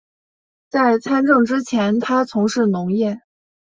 在参政之前他从事农业。